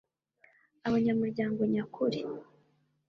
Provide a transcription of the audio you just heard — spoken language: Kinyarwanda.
abanyamuryango nyakuri